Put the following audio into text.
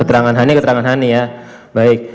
keterangan hani keterangan hani ya baik